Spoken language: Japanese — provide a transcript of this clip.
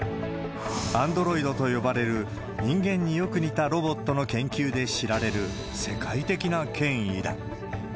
アンドロイドと呼ばれる、人間によく似たロボットの研究で知られる世界的な権威だ。